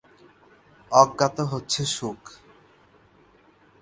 অজ্ঞাত হচ্ছে সুখ।